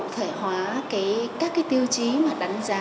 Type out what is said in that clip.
thể hóa các tiêu chí đánh giá